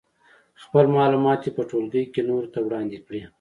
خپل معلومات دې په ټولګي کې نورو ته وړاندې کړي.